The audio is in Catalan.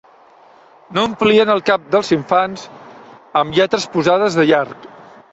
No omplien el cap dels infants am lletres posades de llarg